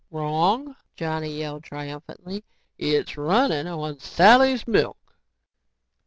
"Wrong," Johnny yelled triumphantly. "It's running on Sally's milk!"